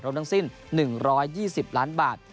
รวมสิ้น๑๒๐ล้านบาท